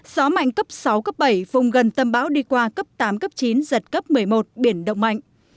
gió mạnh cấp sáu cấp bảy vùng gần tâm bão đi qua cấp tám cấp chín giật cấp một mươi một biển động mạnh